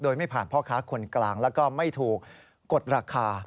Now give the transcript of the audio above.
โดยไม่ผ่านพ่อค้าคนกลางแล้วก็ไม่ถูกกดราคา